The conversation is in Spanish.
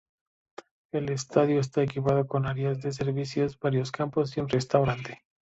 El estadio está equipado con áreas de servicios, varios campos y un restaurante.